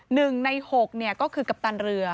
หนึ่งในหกก็คือกัปตันเรือ